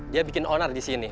dia bikin onar disini